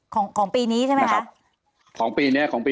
ของปีนี้ใช่ไหมคะของปีนี้ของปี๖๓